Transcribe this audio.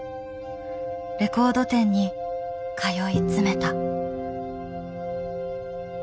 レコード店に通い詰めた。